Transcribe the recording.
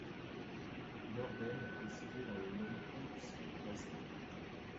Noorden est situé sur les Nieuwkoopse Plassen.